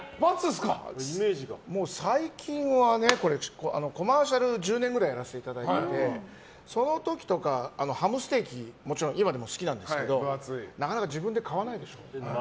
最近はコマーシャル１０年ぐらいやらせていただいててその時とかハムステーキもちろん今でも好きなんですけどなかなか自分で買わないでしょ。